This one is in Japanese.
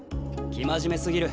生真面目すぎる。